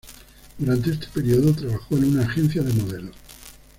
Durante este período trabajó en una agencia de modelos.